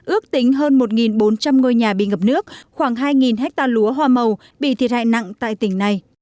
ước tính hơn một bốn trăm linh ngôi nhà bị ngập nước khoảng hai ha lúa hoa màu bị thiệt hại nặng tại tỉnh này